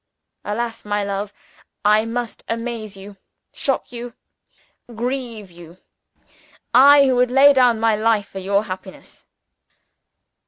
"Alas, my love, I must amaze you, shock you, grieve you I who would lay down my life for your happiness!